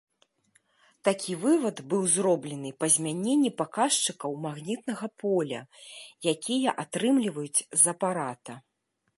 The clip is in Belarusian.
Такі вывад быў зроблены па змяненні паказчыкаў магнітнага поля, якія атрымліваюць з апарата.